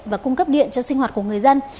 và cung cấp điện cho sinh hoạt của người dân